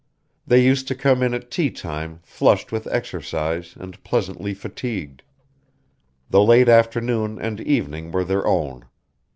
They used to come in at tea time flushed with exercise and pleasantly fatigued. The late afternoon and evening were their own.